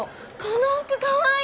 この服かわいい！